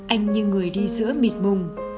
anh như người đi giữa mịt mùng